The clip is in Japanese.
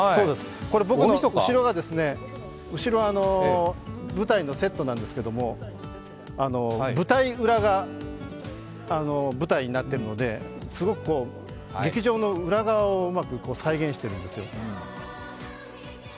僕の後ろが舞台のセットなんですけど、舞台裏が舞台になっているのですごく劇場の裏側をうまく再現しているんですよ。